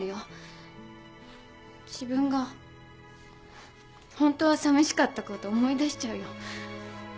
自分がホントは寂しかったこと思い出しちゃうよ。